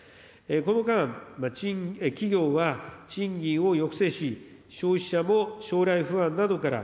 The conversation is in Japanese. この間、企業は賃金を抑制し、消費者も将来不安などから、